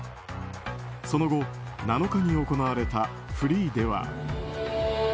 その後、７日に行われたフリーでは。